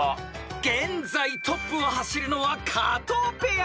［現在トップを走るのは加藤ペア］